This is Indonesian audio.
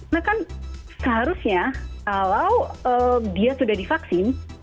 nah kan seharusnya kalau dia sudah divaksin